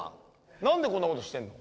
何でこんなことしてんの？